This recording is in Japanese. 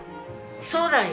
そうだよ